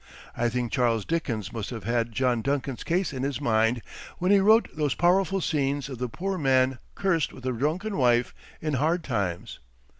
I think Charles Dickens must have had John Duncan's case in his mind when he wrote those powerful scenes of the poor man cursed with a drunken wife in "Hard Times."